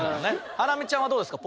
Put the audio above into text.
ハラミちゃんはどうですか？